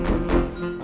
kamu mau ke rumah